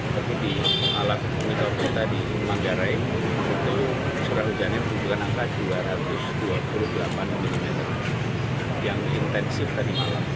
tapi di alam bnpg di manggarai curah hujannya menyebutkan angka dua ratus dua puluh delapan mm yang intensif dari malam